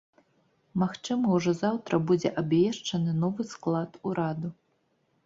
Магчыма, ужо заўтра будзе абвешчаны новы склад ураду.